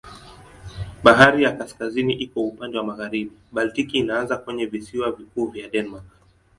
Bahari ya Kaskazini iko upande wa magharibi, Baltiki inaanza kwenye visiwa vikuu vya Denmark.